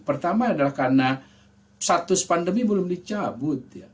pertama adalah karena status pandemi belum dicabut ya